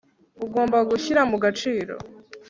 ugomba gushyira mu gaciro